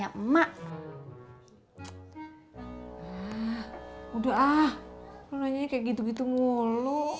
ya emak udah ah luanya kayak gitu gitu mulu